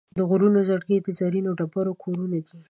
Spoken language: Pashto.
د غرونو زړګي د زرینو ډبرو کورونه دي.